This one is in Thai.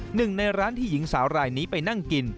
หนึ่งในร้านที่หญิงสาวรายนี้ไปนั่งกิน